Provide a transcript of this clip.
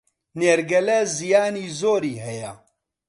نێرگەلە زیانی زۆری هەیە